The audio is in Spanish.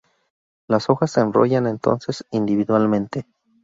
Las hojas se enrollan entonces individualmente.